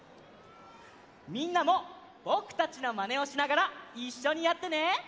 みんなもぼくたちのまねをしながらいっしょにやってね！